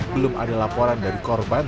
belum ada laporan dari korban